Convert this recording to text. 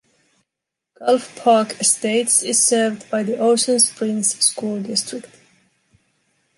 Gulf Park Estates is served by the Ocean Springs School District.